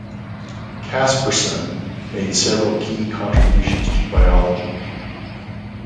Caspersson made several key contributions to biology.